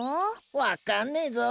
わっかんねえぞ。